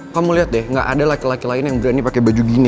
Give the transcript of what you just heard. kamu lihat deh gak ada laki laki lain yang berani pakai baju gini